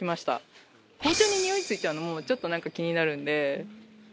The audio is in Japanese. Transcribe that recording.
包丁ににおいついちゃうのもちょっとなんか気になるので。